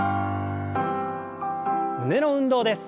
胸の運動です。